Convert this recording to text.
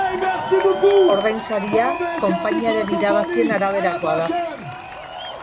Ordainsaria konpainiaren irabazien araberakoa da.